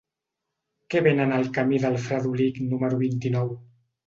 Què venen al camí del Fredolic número vint-i-nou?